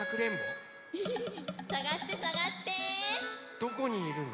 どこにいるの？